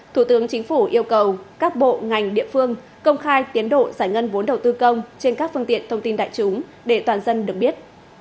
thủ tướng chính phủ yêu cầu các bộ ngành địa phương công khai tiến độ giải ngân vốn đầu tư công trên các phương tiện thông tin đại chúng để toàn dân được biết